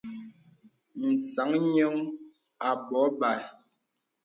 Sàŋ nyùŋ a bɔ̀ɔ̀ bə̀i.